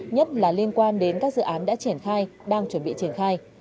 nhất là liên quan đến các dự án đã triển khai đang chuẩn bị triển khai